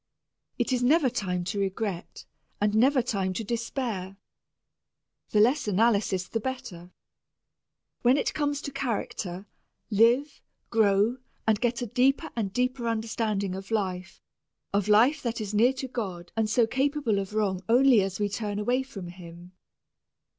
It is never time to regret and never time to despair. The less analysis the better. When it comes to character, live, grow, and get a deeper and deeper understanding of life of life that is near to God and so capable of wrong only as we turn away from Him.